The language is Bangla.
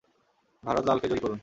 ভারত লালকে জয়ী করুন।